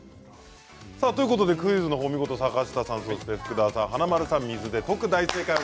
クイズは、見事坂下さん、福田さん、華丸さんが水で溶く、大正解です。